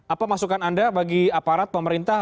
apa masukan anda bagi aparat pemerintah